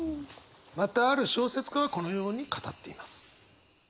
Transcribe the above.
またある小説家はこのように語っています。